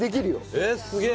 えっすげえ！